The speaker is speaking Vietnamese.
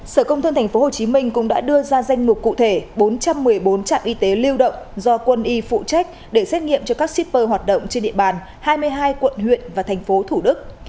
sở công thương tp hcm cũng đã đưa ra danh mục cụ thể bốn trăm một mươi bốn trạm y tế lưu động do quân y phụ trách để xét nghiệm cho các shipper hoạt động trên địa bàn hai mươi hai quận huyện và thành phố thủ đức